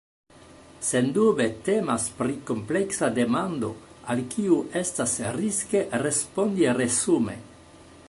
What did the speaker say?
Sendube temas pri kompleksa demando al kiu estas riske respondi resume.